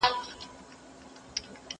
په دوو اړخونو ولاړ و.